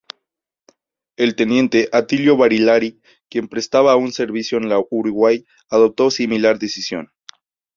El teniente Atilio Barilari, quien prestaba aún servicio en la "Uruguay", adoptó similar decisión.